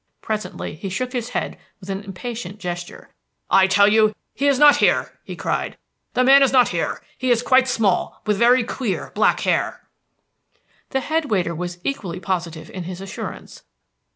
Presently he shook his head with an impatient gesture. "I tell you, he is not here," he cried. "The man is not here. He is quite small, with very queer, black hair." The head waiter was equally positive in his assurance.